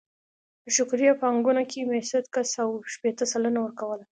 په شریکه پانګونه کې مېشت کس اوه شپېته سلنه ورکوله